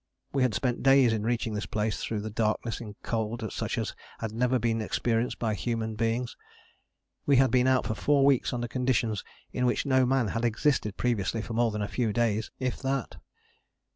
We had spent days in reaching this place through the darkness in cold such as had never been experienced by human beings. We had been out for four weeks under conditions in which no man had existed previously for more than a few days, if that.